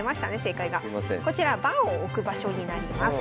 こちら盤を置く場所になります。